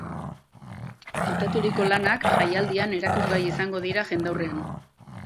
Hautaturiko lanak, jailadian erakusgai izango dira jendaurrean.